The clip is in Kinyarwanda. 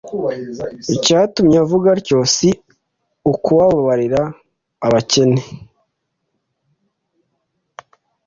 Icyatumye avuga atyo si ukubabarira abakene